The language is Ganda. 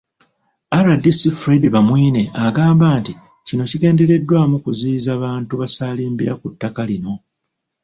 RDC Fred Bamwine agamba nti kino kigendereddwamu kuziyiza bantu basaalimbira ku ttaka lino.